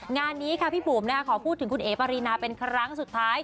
งานนี้ค่ะพี่บุ๋มขอพูดถึงคุณเอ๋ปารีนาเป็นครั้งสุดท้าย